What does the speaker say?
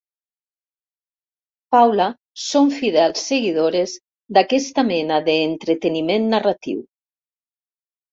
Paula són fidels seguidores d'aquesta mena d'entreteniment narratiu.